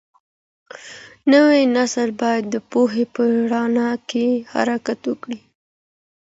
نوی نسل باید د پوهې په رڼا کي حرکت وکړي.